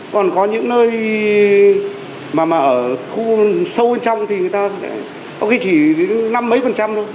còn có những nơi mà ở khu sâu trong thì người ta có khi chỉ đến năm mấy phần trăm thôi